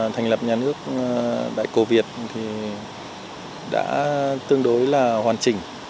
thành lập nhà nước đại cổ việt thì đã tương đối là hoàn chỉnh